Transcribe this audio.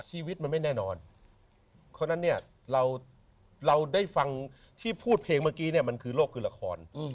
ชีวิตมันไม่แน่นอนเพราะฉะนั้นเนี่ยเราได้ฟังที่พูดเพลงเมื่อกี้เนี่ยมันคือโลกคือละคร